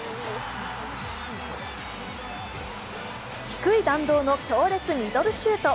低い弾道の強烈ミドルシュート。